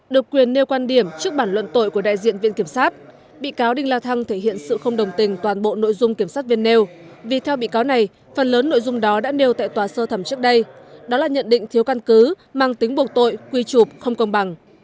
được quyền nêu quan điểm trước bản luận tội của đại diện viện kiểm sát bị cáo đinh la thăng thể hiện sự không đồng tình toàn bộ nội dung kiểm sát viên nêu vì theo bị cáo này phần lớn nội dung đó đã nêu tại tòa sơ thẩm trước đây đó là nhận định thiếu căn cứ mang tính buộc tội quy trục không công bằng